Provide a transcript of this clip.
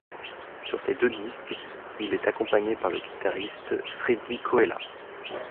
Sur ces deux disques il est accompagné par le guitariste Freddy Koella.